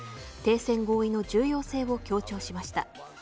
停戦合意の重要性を強調しました。